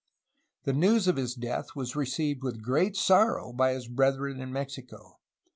The news of his death was received with great sorrow by his brethren in Mexico.